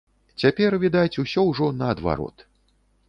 Цяпер, відаць, усё ўжо наадварот.